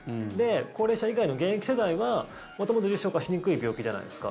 高齢者以外の現役世代は元々重症化しにくい病気じゃないですか。